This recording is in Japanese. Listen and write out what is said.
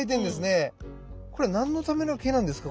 これ何のための毛なんですか？